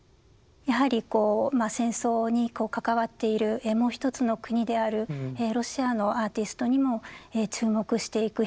やはりこう戦争に関わっているもう一つの国であるロシアのアーティストにも注目していく必要があるかと思います。